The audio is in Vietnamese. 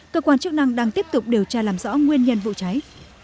cơ quan chức năng đang tiếp tục điều tra làm rõ nguyên nhân vụ cháy